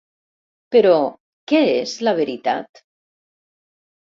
Però, ¿què és la veritat?